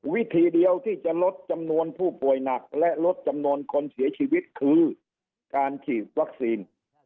วิธีเดียวที่จะลดจำนวนผู้ป่วยหนักและลดจำนวนคนเสียชีวิตคือการฉีดวัคซีน